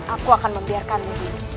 aku akan membiarkanmu